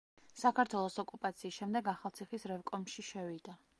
საქართველოს ოკუპაციის შემდეგ ახალციხის რევკომში შევიდა.